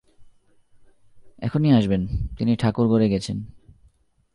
এখনি আসবেন, তিনি ঠাকুরঘরে গেছেন।